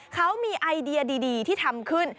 เขามีไอเดียดีที่ทำขึ้น